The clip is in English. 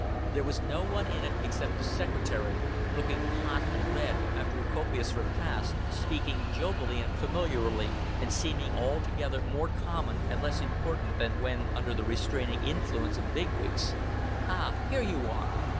There was no one in it except the secretary looking hot and red after a copious repast, speaking jovially and familiarly, and seeming altogether more common and less important than when under the restraining influence of bigwigs. "Ah, here you are."